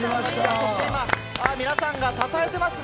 そして皆さんが今、たたえてますね。